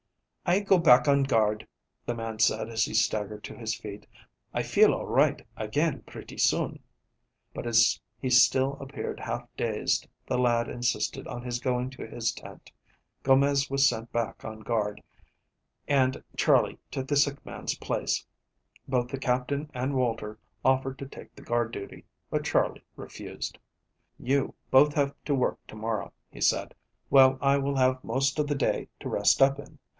"I go back on guard," the man said as he staggered to his feet. "I feel all right again pretty soon," but as he still appeared half dazed the lad insisted on his going to his tent. Gomez was sent back on guard and Charley took the sick man's place. Both the Captain and Walter offered to take the guard duty, but Charley refused. "You both have to work to morrow," he said, "while I will have most of the day to rest up in.